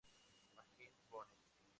Majin Bone